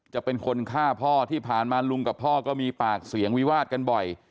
จะเป็นคนฆ่าพ่อที่ผ่านมาลุงกับพ่อก็มีปากเสียงวิวาดกันบ่อย